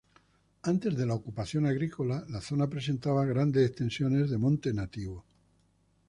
Antes de la ocupación agrícola la zona presentaba grandes extensiones de monte nativo.